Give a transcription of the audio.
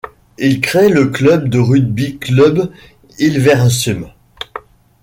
Ils créent le club du Rugby Club Hilversum.